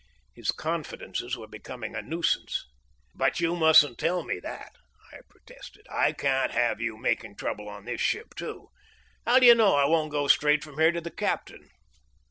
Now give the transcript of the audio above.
His confidences were becoming a nuisance. "But you mustn't tell me that," I protested. "I can't have you making trouble on this ship, too. How do you know I won't go straight from here to the captain?"